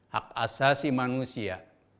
hak asasi manusia